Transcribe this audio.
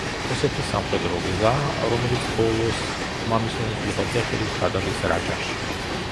ოსეთის სამხედრო გზა, რომელიც ბოლოს მამისონის უღელტეხილით გადადის რაჭაში.